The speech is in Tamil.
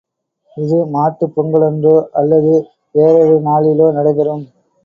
இது மாட்டுப் பொங்கலன்றோ அல்லது வேறொரு நாளிலோ நடைபெறும்.